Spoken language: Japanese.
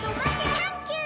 「サンキュー！」